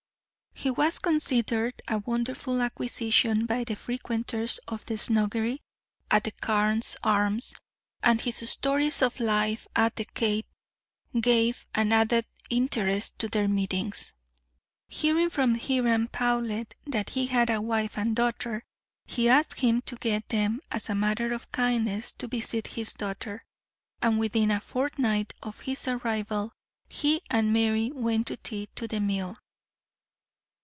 He was considered a wonderful acquisition by the frequenters of the snuggery at the "Carne's Arms," and his stories of life at the Cape gave an added interest to their meetings. Hearing from Hiram Powlett that he had a wife and daughter, he asked him to get them, as a matter of kindness, to visit his daughter; and within a fortnight of his arrival, he and Mary went to tea to the Mill.